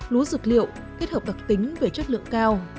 lúa dược liệu kết hợp đặc tính về chất lượng cao